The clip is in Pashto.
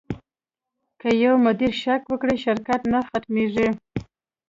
که یو مدیر شک وکړي، شرکت نه ختمېږي.